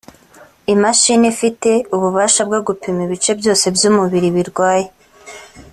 imashine ifite ububasha bwo gupima ibice byose by’umubiri birwaye